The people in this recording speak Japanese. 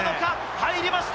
入りました。